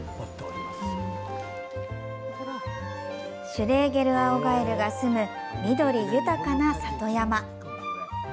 シュレーゲルアオガエルがすむ、緑豊かな里山。